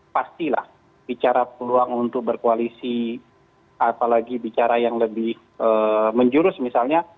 pastilah bicara peluang untuk berkoalisi apalagi bicara yang lebih menjurus misalnya